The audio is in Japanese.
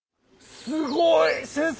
すごい！先生！